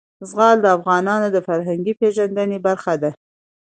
زغال د افغانانو د فرهنګي پیژندنې برخه ده.